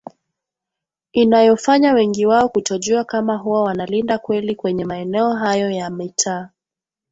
inayofanya wengi wao kutojua kama huwa wanalinda kweli kwenye maeneo hayo ya mitaa